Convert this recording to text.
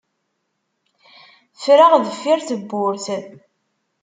Ffreɣ deffir tewwurt.